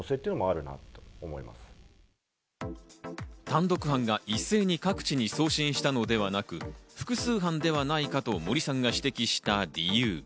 単独犯が一斉に各地に送信したのではなく、複数犯ではないかと森さんが指摘した理由。